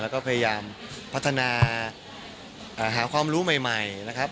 แล้วก็พยายามพัฒนาหาความรู้ใหม่นะครับ